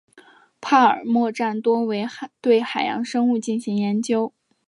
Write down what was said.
帕尔默站多为对海洋生物进行研究。